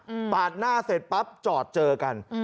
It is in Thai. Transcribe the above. ปาดหน้าเสร็จปั๊บจอดเจอกันอืม